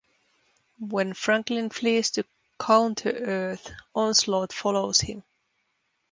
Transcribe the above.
When Franklin flees to Counter-Earth, Onslaught follows him.